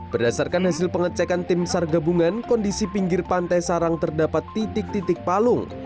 berdasarkan hasil pengecekan tim sar gabungan kondisi pinggir pantai sarang terdapat titik titik palung